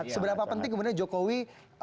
seberapa penting kemudian jokowi